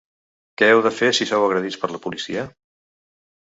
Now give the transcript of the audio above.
Què heu de fer si sou agredits per la policia?